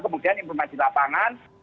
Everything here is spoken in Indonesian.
kemudian yang bermajin lapangan